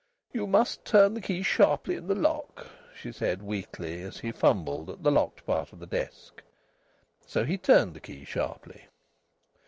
"You must turn the key sharply in the lock," she said weakly, as he fumbled at the locked part of the desk. So he turned the key sharply.